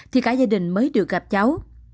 thì cả gia đình mới được gặp cháu